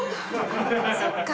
そっか。